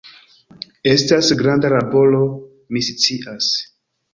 Estas granda laboro, mi scias.